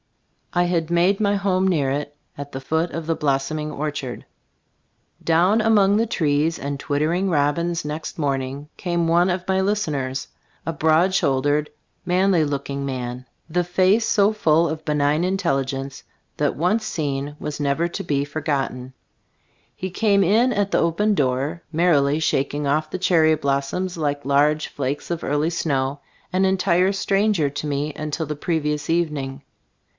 I had made my home near it, at the foot of the blossoming orchard. io Gbe Storg of dtyg Gbilfcboofc Down among the trees and twitter ing robins next morning came one of my listeners; a broad shouldered, manly looking man, the face so full of benign intelligence that once seen was never to be forgotten. He came in at the open door, merrily shaking off the cherry blossoms like large flakes of early snow, an entire stranger to me until the previous evening.